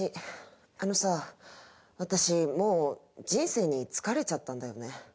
あのさ私もう人生に疲れちゃったんだよね。